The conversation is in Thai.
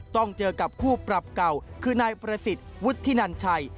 ต้องเจอกับคู่ปรับเก่าคือนายประสิทธิ์วุฒินันชัย